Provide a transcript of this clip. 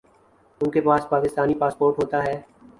انکے پاس پاکستانی پاسپورٹ ہوتا ہے